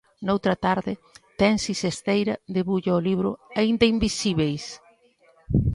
Noutra orde, Tensi Xesteira debulla o libro "Aínda invisíbeis?"